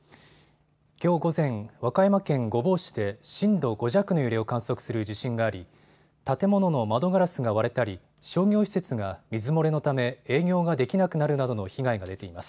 きょう午前、和歌山県御坊市で震度５弱の揺れを観測する地震があり、建物の窓ガラスが割れたり、商業施設が水漏れのため営業ができなくなるなどの被害が出ています。